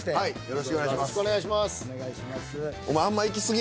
よろしくお願いします。